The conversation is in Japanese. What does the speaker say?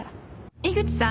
井口さん？